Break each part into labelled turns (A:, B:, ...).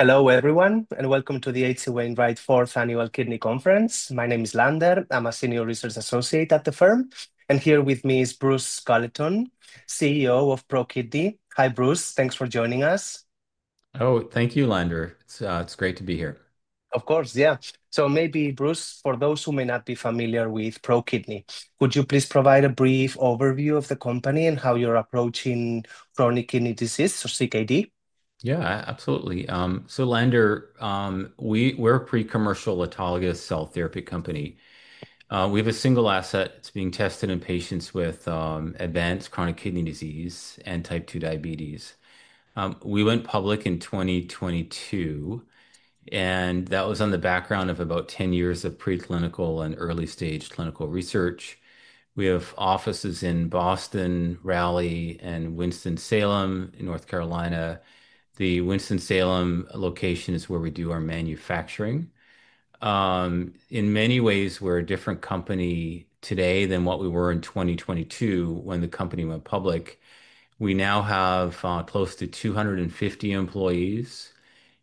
A: Hello everyone, and welcome to the H.C. Wainwright fourth annual kidney conference. My name is Lander, I'm a Senior Research Associate at the firm, and here with me is Bruce Culleton, CEO of ProKidney. Hi Bruce, thanks for joining us.
B: Oh, thank you Lander. It's great to be here. Of course, yeah. Maybe Bruce, for those who may not be familiar with ProKidney, could you please provide a brief overview of the company and how you're approaching chronic kidney disease or CKD? Yeah, absolutely. Lander, we're a pre-commercial autologous cell therapy company. We have a single asset that's being tested in patients with advanced chronic kidney disease and type 2 diabetes. We went public in 2022, and that was on the background of about 10 years of preclinical and early stage clinical research. We have offices in Boston, Raleigh, and Winston-Salem, North Carolina. The Winston-Salem location is where we do our manufacturing. In many ways, we're a different company today than what we were in 2022 when the company went public. We now have close to 250 employees,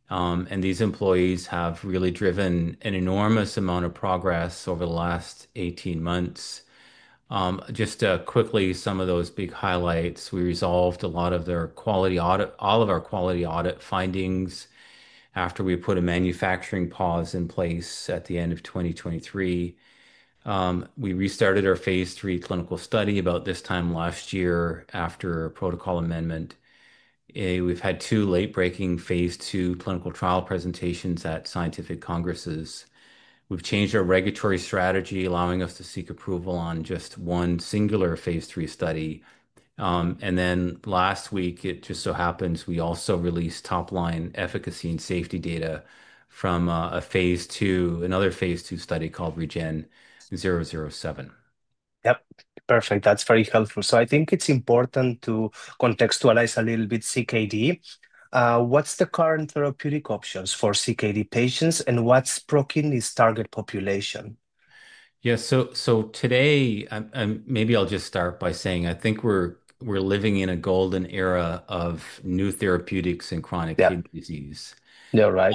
B: and these employees have really driven an enormous amount of progress over the last 18 months. Just quickly, some of those big highlights: we resolved all of our quality audit findings after we put a manufacturing pause in place at the end of 2023. We restarted our Phase III clinical study about this time last year after a protocol amendment. We've had two late-breaking Phase II clinical trial presentations at scientific congresses. We've changed our regulatory strategy, allowing us to seek approval on just one singular Phase III study. Last week, it just so happens we also released top-line efficacy and safety data from another Phase II study called REGEN-007. That's very helpful. I think it's important to contextualize a little bit CKD. What's the current therapeutic options for CKD patients and what's ProKidney's target population? Yeah, today, maybe I'll just start by saying I think we're living in a golden era of new therapeutics in chronic kidney disease. Yeah, right.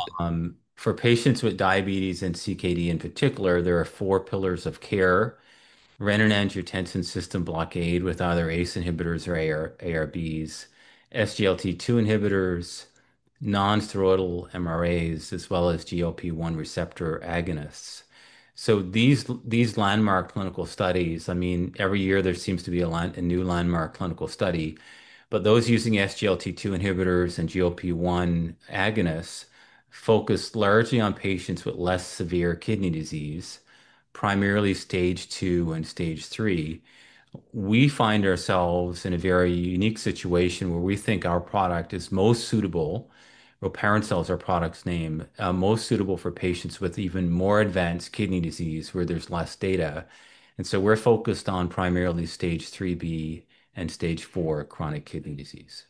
B: For patients with diabetes and CKD in particular, there are four pillars of care: renin-angiotensin system blockade with either ACE inhibitors or ARBs, SGLT2 inhibitors, non-thyroidal MRAs, as well as GLP-1 receptor agonists. These landmark clinical studies, I mean, every year there seems to be a new landmark clinical study, but those using SGLT2 inhibitors and GLP-1 agonists focus largely on patients with less severe kidney disease, primarily stage two and stage three. We find ourselves in a very unique situation where we think our product is most suitable, Rilparencel is our product's name, most suitable for patients with even more advanced kidney disease where there's less data. We're focused on primarily stage 3B and stage four chronic kidney disease.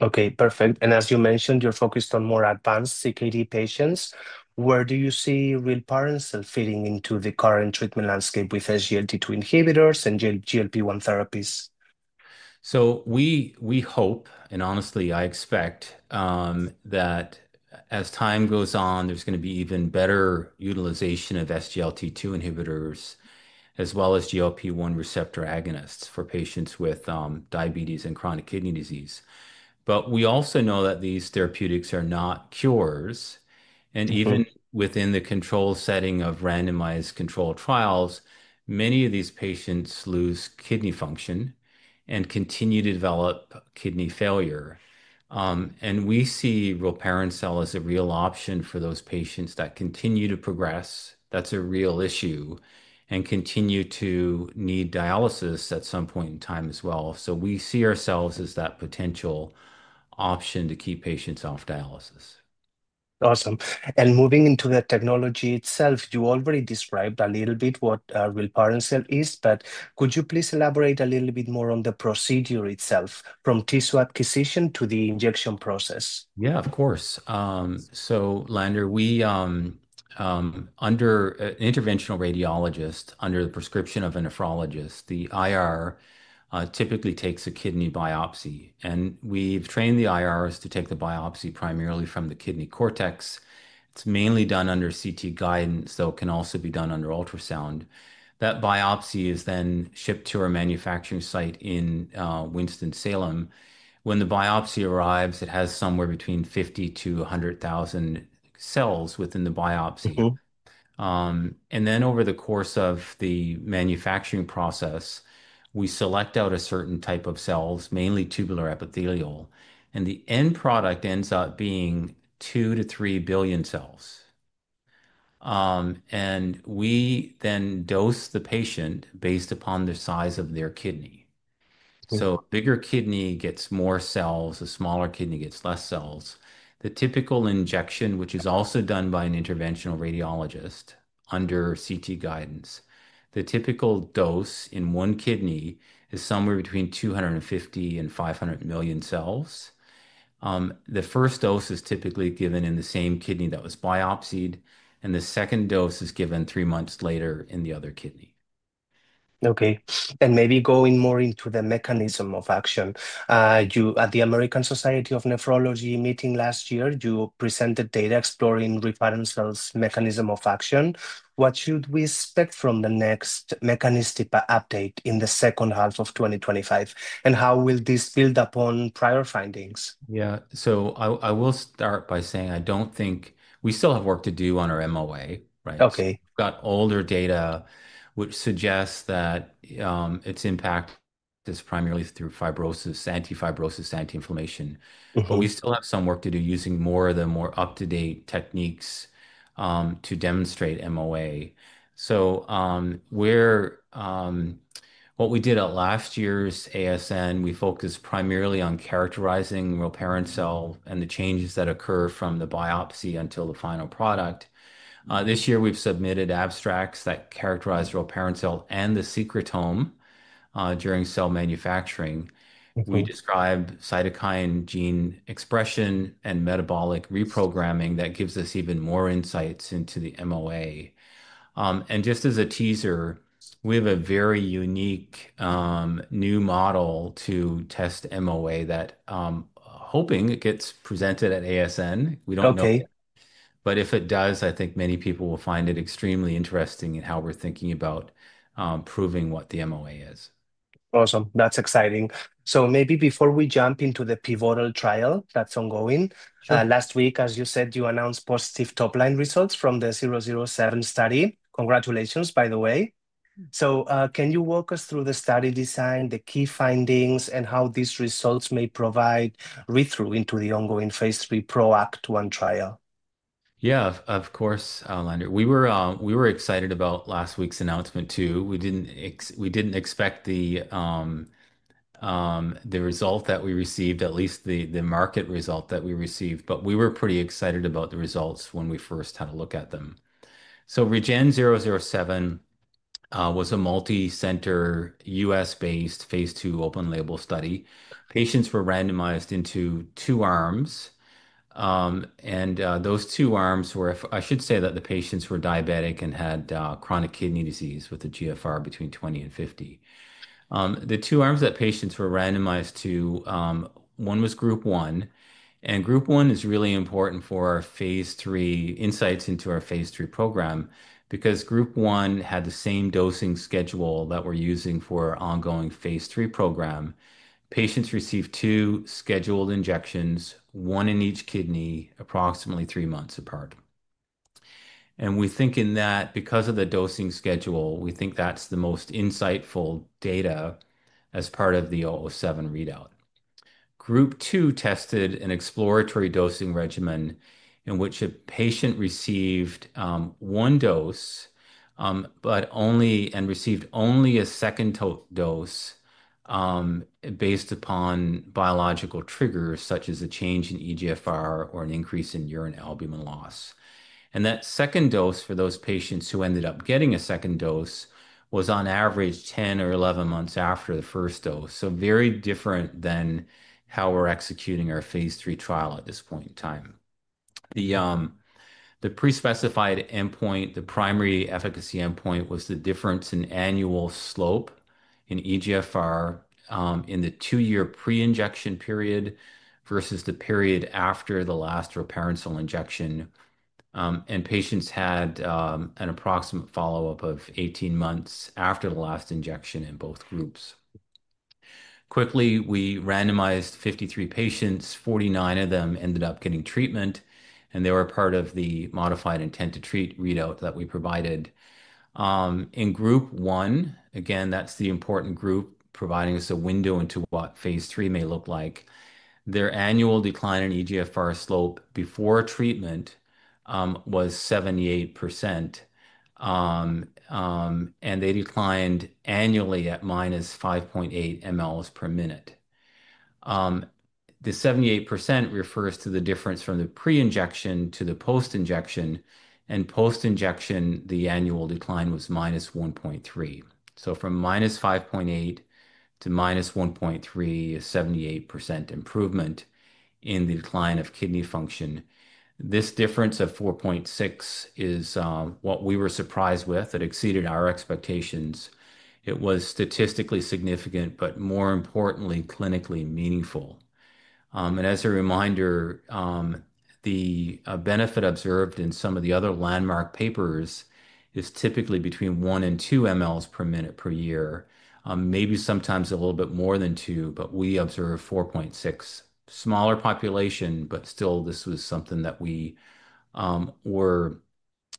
B: Okay, perfect. As you mentioned, you're focused on more advanced CKD patients. Where do you see Rilparencel fitting into the current treatment landscape with SGLT2 inhibitors and GLP-1 therapies? We hope, and honestly I expect, that as time goes on, there's going to be even better utilization of SGLT2 inhibitors as well as GLP-1 receptor agonists for patients with diabetes and chronic kidney disease. We also know that these therapeutics are not cures, and even within the control setting of randomized control trials, many of these patients lose kidney function and continue to develop kidney failure. We see Rilparencel as a real option for those patients that continue to progress, that's a real issue, and continue to need dialysis at some point in time as well. We see ourselves as that potential option to keep patients off dialysis. Awesome. Moving into the technology itself, you already described a little bit what Rilparencel is. Could you please elaborate a little bit more on the procedure itself from tissue acquisition to the injection process? Yeah, of course. Lander, under an interventional radiologist, under the prescription of a nephrologist, the IR typically takes a kidney biopsy. We've trained the IRs to take the biopsy primarily from the kidney cortex. It's mainly done under CT guidance, though it can also be done under ultrasound. That biopsy is then shipped to our manufacturing site in Winston-Salem. When the biopsy arrives, it has somewhere between 50,000-100,000 cells within the biopsy. Over the course of the manufacturing process, we select out a certain type of cells, mainly tubular epithelial, and the end product ends up being 2-3 billion cells. We then dose the patient based upon the size of their kidney. A bigger kidney gets more cells, a smaller kidney gets less cells. The typical injection, which is also done by an interventional radiologist under CT guidance, the typical dose in one kidney is somewhere between 250 million and 500 million cells. The first dose is typically given in the same kidney that was biopsied, and the second dose is given three months later in the other kidney. Okay. Maybe going more into the mechanism of action, you at the American Society of Nephrology meeting last year, you presented data exploring Rilparencel's mechanism of action. What should we expect from the next mechanistic update in the second half of 2025, and how will this build upon prior findings? Yeah, I will start by saying I don't think we still have work to do on our MOA, right? Okay. We've got older data which suggests that its impact is primarily through fibrosis, antifibrosis, anti-inflammation, but we still have some work to do using more of the more up-to-date techniques to demonstrate MOA. What we did at last year's ASN, we focused primarily on characterizing Rilparencel and the changes that occur from the biopsy until the final product. This year we've submitted abstracts that characterize Rilparencel and the secretome during cell manufacturing. We describe cytokine gene expression and metabolic reprogramming that gives us even more insights into the MOA. Just as a teaser, we have a very unique new model to test MOA that I'm hoping gets presented at ASN. We don't know yet, but if it does, I think many people will find it extremely interesting in how we're thinking about proving what the MOA is. Awesome, that's exciting. Maybe before we jump into the pivotal trial that's ongoing, last week, as you said, you announced positive top-line results from the 007 study. Congratulations, by the way. Can you walk us through the study design, the key findings, and how these results may provide read-through into the ongoing Phase III PROACT-1 trial? Yeah, of course, Lander. We were excited about last week's announcement too. We didn't expect the result that we received, at least the market result that we received, but we were pretty excited about the results when we first had a look at them. REGEN-007 was a multi-center U.S.-based Phase II open label study. Patients were randomized into two arms, and those two arms were, I should say that the patients were diabetic and had chronic kidney disease with a GFR between 20 and 50. The two arms that patients were randomized to, one was group one, and group one is really important for our Phase III insights into our Phase III program because group one had the same dosing schedule that we're using for our ongoing Phase III program. Patients received two scheduled injections, one in each kidney, approximately three months apart. We think that, because of the dosing schedule, that's the most insightful data as part of the 007 readout. Group two tested an exploratory dosing regimen in which a patient received one dose, and received only a second dose based upon biological triggers such as a change in eGFR or an increase in urine albumin loss. That second dose for those patients who ended up getting a second dose was on average 10 or 11 months after the first dose. Very different than how we're executing our Phase III trial at this point in time. The pre-specified endpoint, the primary efficacy endpoint, was the difference in annual slope in eGFR in the two-year pre-injection period versus the period after the last Rilparencel injection. Patients had an approximate follow-up of 18 months after the last injection in both groups. Quickly, we randomized 53 patients, 49 of them ended up getting treatment, and they were part of the modified intent to treat readout that we provided. In group one, again, that's the important group providing us a window into what Phase III may look like. Their annual decline in eGFR slope before treatment was 78%, and they declined annually at -5.8 mLs per minute. The 78% refers to the difference from the pre-injection to the post-injection, and post-injection, the annual decline was -1.3 mLs. From -5.8 mLs to -1.3 mLs is 78% improvement in the decline of kidney function. This difference of 4.6 mLs is what we were surprised with. It exceeded our expectations. It was statistically significant, but more importantly, clinically meaningful. The benefit observed in some of the other landmark papers is typically between 1 ml and 2 mLs per minute per year, maybe sometimes a little bit more than 2 mLs, but we observed 4.6 mLs. Smaller population, but still this was something that we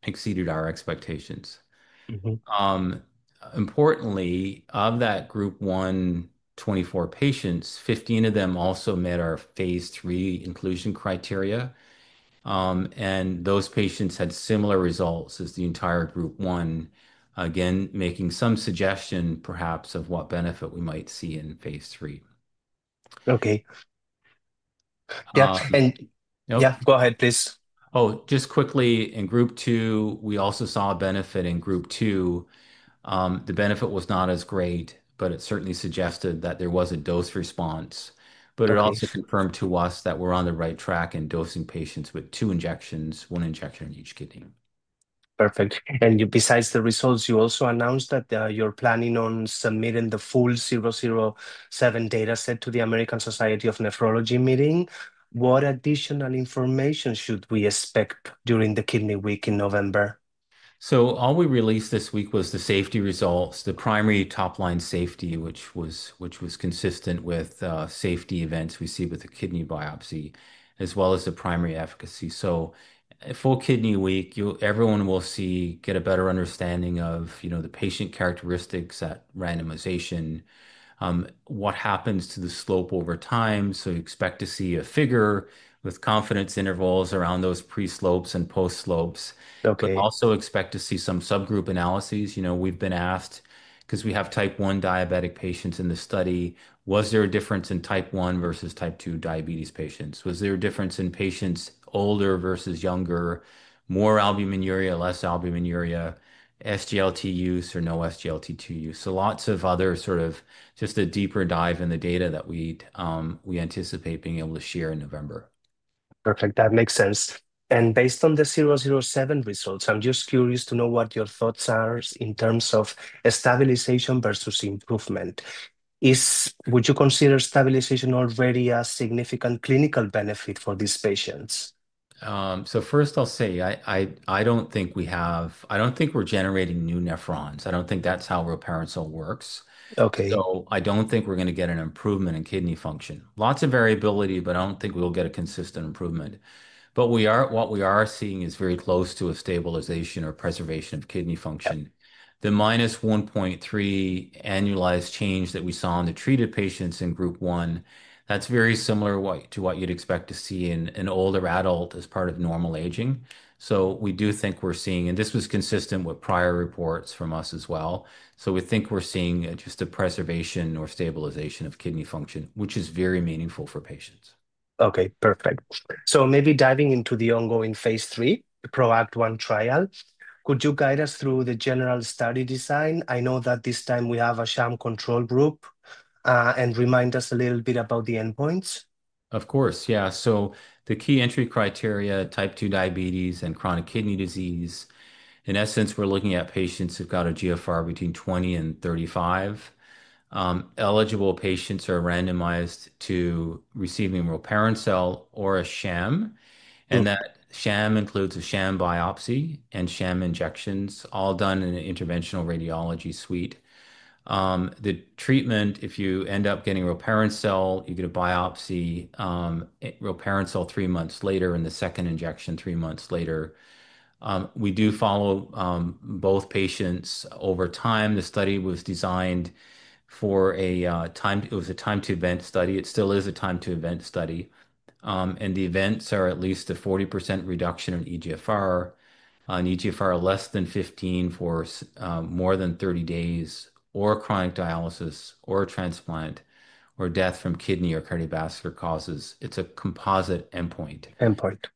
B: exceeded our expectations. Importantly, of that group one, 24 patients, 15 of them also met our Phase III inclusion criteria, and those patients had similar results as the entire group one, again making some suggestion perhaps of what benefit we might see in Phase III. Okay. Go ahead, please. Oh, just quickly, in group two, we also saw a benefit in group two. The benefit was not as great, but it certainly suggested that there was a dose response. It also confirmed to us that we're on the right track in dosing patients with two injections, one injection in each kidney. Perfect. Besides the results, you also announced that you're planning on submitting the full 007 data set to the American Society of Nephrology meeting. What additional information should we expect during the Kidney Week in November? All we released this week was the safety results, the primary top-line safety, which was consistent with safety events we see with the kidney biopsy, as well as the primary efficacy. For Kidney Week, everyone will see, get a better understanding of, you know, the patient characteristics at randomization, what happens to the slope over time. You expect to see a figure with confidence intervals around those pre-slopes and post-slopes. Also expect to see some subgroup analyses. You know, we've been asked, because we have type 1 diabetic patients in the study, was there a difference in type 1 versus type 2 diabetes patients? Was there a difference in patients older versus younger, more albuminuria, less albuminuria, SGLT2 use or no SGLT2 use? Lots of other sort of just a deeper dive in the data that we anticipate being able to share in November. Perfect, that makes sense. Based on the 007 results, I'm just curious to know what your thoughts are in terms of stabilization versus improvement. Would you consider stabilization already a significant clinical benefit for these patients? I don't think we have, I don't think we're generating new nephrons. I don't think that's how Rilparencel works. I don't think we're going to get an improvement in kidney function. Lots of variability, but I don't think we'll get a consistent improvement. What we are seeing is very close to a stabilization or preservation of kidney function. The -1.3 mLs annualized change that we saw in the treated patients in group one is very similar to what you'd expect to see in an older adult as part of normal aging. We do think we're seeing, and this was consistent with prior reports from us as well, just a preservation or stabilization of kidney function, which is very meaningful for patients. Okay, perfect. Maybe diving into the ongoing Phase III, the PROACT-1 trial, could you guide us through the general study design? I know that this time we have a sham control group. Remind us a little bit about the endpoints. Of course, yeah. The key entry criteria, type 2 diabetes and chronic kidney disease, in essence, we're looking at patients who've got a GFR between 20 and 35. Eligible patients are randomized to receiving Rilparencel or a sham, and that sham includes a sham biopsy and sham injections, all done in an interventional radiology suite. The treatment, if you end up getting Rilparencel, you get a biopsy, Rilparencel three months later, and the second injection three months later. We do follow both patients over time. The study was designed for a time, it was a time-to-event study. It still is a time-to-event study. The events are at least a 40% reduction in eGFR, an eGFR less than 15 for more than 30 days, or chronic dialysis, or transplant, or death from kidney or cardiovascular causes. It's a composite endpoint. Endpoint.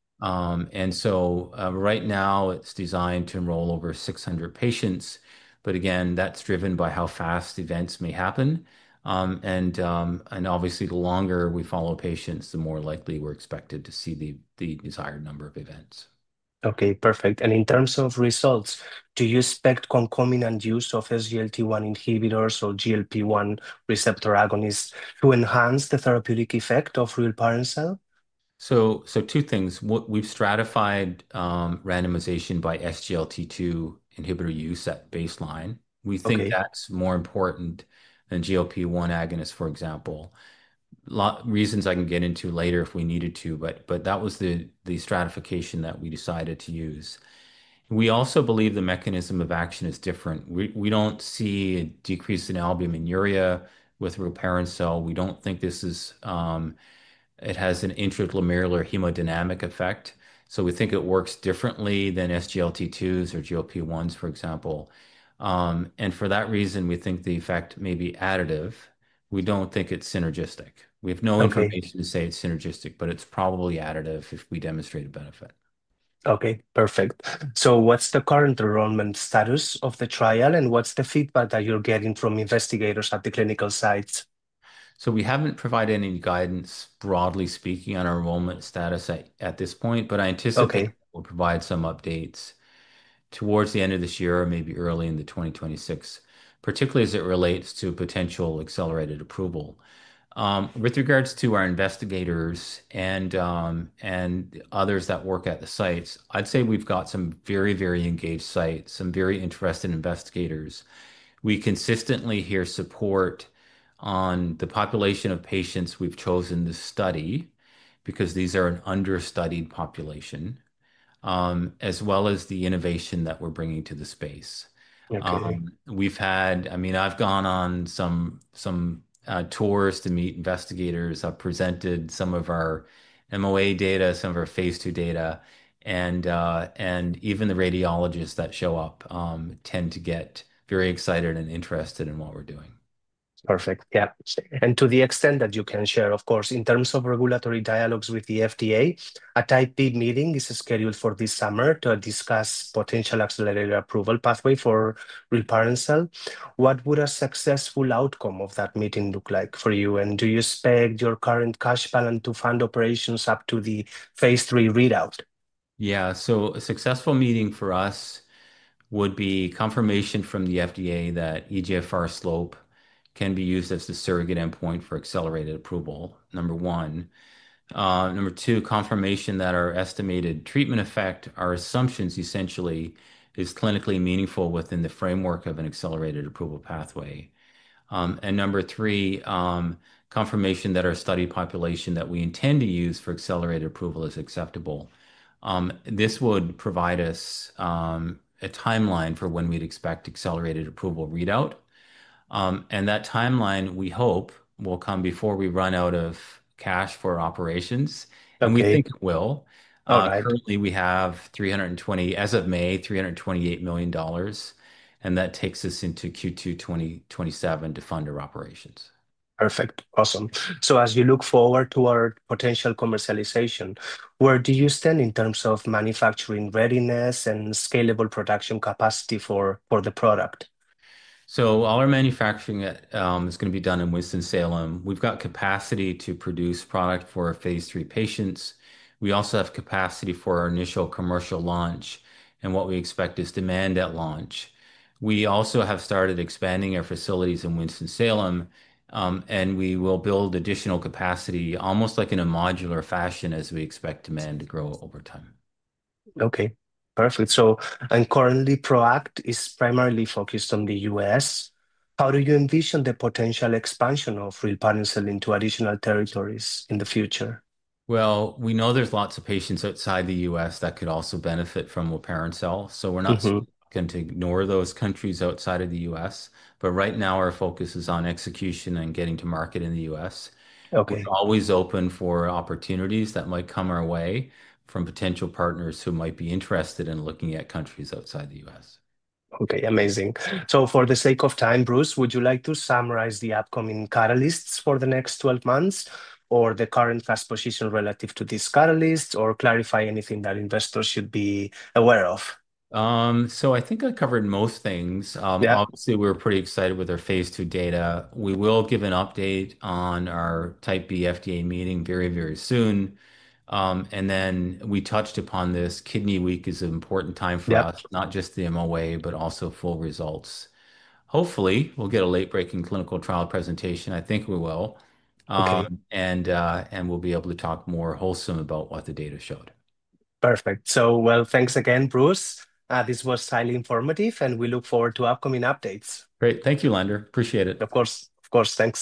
B: Right now it's designed to enroll over 600 patients, but again, that's driven by how fast events may happen. Obviously, the longer we follow patients, the more likely we're expected to see the desired number of events. Okay, perfect. In terms of results, do you expect concomitant use of SGLT1 inhibitors or GLP-1 receptor agonists to enhance the therapeutic effect of Rilparencel? Two things. We've stratified randomization by SGLT2 inhibitor use at baseline. We think that's more important than GLP-1 agonists, for example. Reasons I can get into later if we needed to, but that was the stratification that we decided to use. We also believe the mechanism of action is different. We don't see a decrease in albuminuria with Rilparencel. We don't think this has an intratumoral hemodynamic effect. We think it works differently than SGLT2s or GLP-1s, for example. For that reason, we think the effect may be additive. We don't think it's synergistic. We have no information to say it's synergistic, but it's probably additive if we demonstrate a benefit. Okay, perfect. What’s the current enrollment status of the trial, and what’s the feedback that you’re getting from investigators at the clinical sites? We haven't provided any guidance, broadly speaking, on our enrollment status at this point, but I anticipate we'll provide some updates towards the end of this year or maybe early in 2026, particularly as it relates to potential accelerated approval. With regards to our investigators and others that work at the sites, I'd say we've got some very, very engaged sites, some very interested investigators. We consistently hear support on the population of patients we've chosen to study because these are an understudied population, as well as the innovation that we're bringing to the space. I've gone on some tours to meet investigators. I've presented some of our MOA data, some of our Phase II data, and even the radiologists that show up tend to get very excited and interested in what we're doing. Perfect. To the extent that you can share, of course, in terms of regulatory dialogues with the FDA, a Type B meeting is scheduled for this summer to discuss potential accelerated approval pathway for Rilparencel. What would a successful outcome of that meeting look like for you? Do you expect your current cash balance to fund operations up to the Phase III readout? Yeah, so a successful meeting for us would be confirmation from the FDA that eGFR slope can be used as the surrogate endpoint for accelerated approval, number one. Number two, confirmation that our estimated treatment effect, our assumptions essentially, is clinically meaningful within the framework of an accelerated approval pathway. Number three, confirmation that our study population that we intend to use for accelerated approval is acceptable. This would provide us a timeline for when we'd expect accelerated approval readout. That timeline, we hope, will come before we run out of cash for operations. We think it will. Currently, we have, as of May, $328 million. That takes us into Q2 2027 to fund our operations. Perfect. Awesome. As you look forward to our potential commercialization, where do you stand in terms of manufacturing readiness and scalable production capacity for the product? All our manufacturing is going to be done in Winston-Salem. We've got capacity to produce product for our Phase III patients. We also have capacity for our initial commercial launch. We expect demand at launch. We also have started expanding our facilities in Winston-Salem, and we will build additional capacity almost like in a modular fashion as we expect demand to grow over time. Okay, perfect. Currently, PROACT-1 is primarily focused on the U.S. How do you envision the potential expansion of Rilparencel into additional territories in the future? There are lots of patients outside the U.S. that could also benefit from Rilparencel. We are not going to ignore those countries outside of the U.S., but right now, our focus is on execution and getting to market in the U.S. We are always open for opportunities that might come our way from potential partners who might be interested in looking at countries outside the U.S. Okay, amazing. For the sake of time, Bruce, would you like to summarize the upcoming catalysts for the next 12 months or the current fast position relative to these catalysts, or clarify anything that investors should be aware of? I think I covered most things. Obviously, we're pretty excited with our Phase II data. We will give an update on our Type B FDA meeting very, very soon. We touched upon this; Kidney Week is an important time for us, not just the MOA, but also full results. Hopefully, we'll get a late-breaking clinical trial presentation. I think we will, and we'll be able to talk more wholesome about what the data showed. Perfect. Thanks again, Bruce. This was highly informative, and we look forward to upcoming updates. Great. Thank you, Lander. Appreciate it. Of course. Thanks.